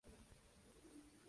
Tienen dos hijas: Arlen y Maya.